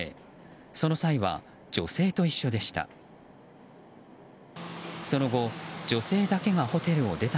その際は女性と一緒でした。